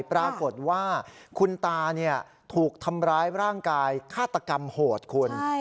ปรากฏว่าคุณตาถูกทำร้ายร่างกายฆาตกรรมโหดคุณ